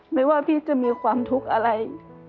ไม่ว่าพี่จะมีความทุกข์อะไร